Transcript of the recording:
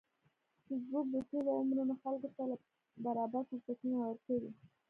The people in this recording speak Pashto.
فېسبوک د ټولو عمرونو خلکو ته برابر فرصتونه ورکوي